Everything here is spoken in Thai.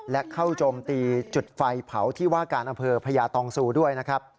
และเข้าโจมตีจุดไฟเผาที่ว่าการอำเภอพญาตองซูด้วยนะครับ